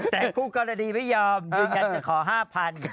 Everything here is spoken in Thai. แต่ผู้กรดีไม่ยอมอย่างนั้นจะขอ๕๐๐๐บาท